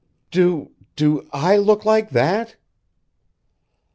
"Do do I look like that?"